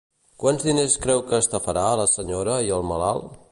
Quants diners creu que estafarà a la senyora i el malalt?